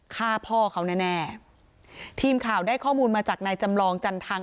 ฆ่าพ่อเขาแน่แน่ทีมข่าวได้ข้อมูลมาจากนายจำลองจันทัง